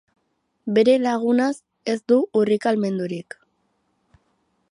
Bere lagunaz ez du urrikalmendurik.